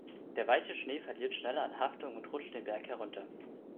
Der weiche Schnee verliert schneller an Haftung und rutscht den Berg herunter.